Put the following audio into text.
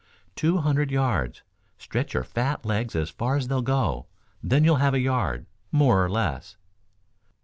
"Two hundred yards. Stretch your fat legs as far as they'll go, then you'll have a yard, more or less."